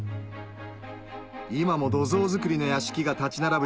今も土蔵造りの屋敷が立ち並ぶ